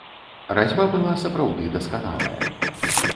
Разьба была сапраўды дасканалая.